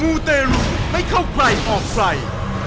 มูเตรุ่มให้เข้าไกลออกไกล